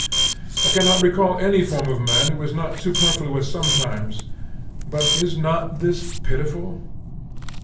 I cannot recall any form of man who is not superfluous sometimes. But is not this pitiful?